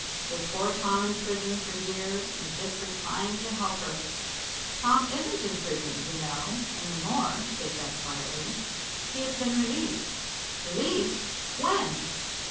"With poor Tom in prison for years and just for trying to help her." "Tom isn't in prison, you know, any more," said Beth quietly. "He has been released." "Released! When?"